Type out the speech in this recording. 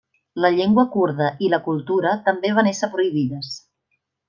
La llengua kurda i la cultura també van ésser prohibides.